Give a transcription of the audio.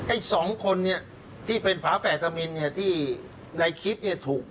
อีกสองคนเนี่ยที่เป็นฝาแฝดธมินเนี่ยที่ในคลิปเนี่ยถูก